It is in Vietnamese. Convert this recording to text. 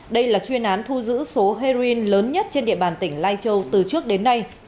đây là chuyên án thu giữ số heroin lớn nhất trên địa bàn tỉnh lai châu từ trước đến nay